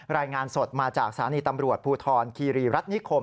รายงานสดมาจากสถานีตำรวจภูทรคีรีรัฐนิคม